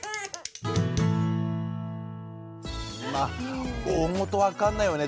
まあ大本分かんないよね